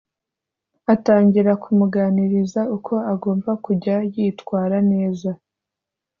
atangira kumuganiriza uko agomba kujya yitwara neza